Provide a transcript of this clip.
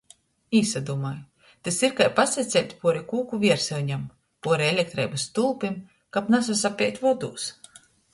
Īsadūmoj, tys ir kai pasaceļt puori kūku viersyunem, puori elektreibys stulpim, kab nasasapeit vodūs.